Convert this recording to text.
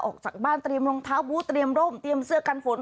ออกจากบ้านเตรียมรองเท้าบูธเตรียมร่มเตรียมเสื้อกันฝน